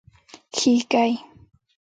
🦔 ږېږګۍ